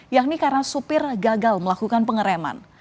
yakni karena supir gagal melakukan pengereman